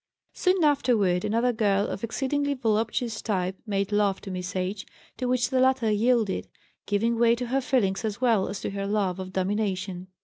Soon afterward another girl of exceedingly voluptuous type made love to Miss H., to which the latter yielded, giving way to her feelings as well as to her love of domination.